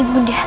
ibu nda tunggu